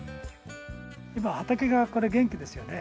今畑がこれ元気ですよね。